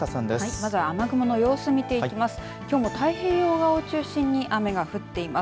まずは雨雲の予想見ていきます。